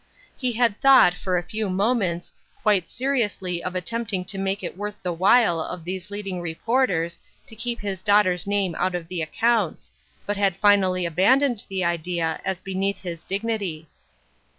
He had thought, for a few moments, quite seriously of attempting to make it worth the while of these leading reporters to keep his daughter's name out of the accounts, but had finally abandoned the idea as beneath his dignity.